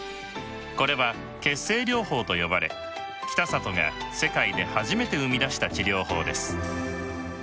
これは「血清療法」と呼ばれ北里が世界で初めて生み出した治療法です。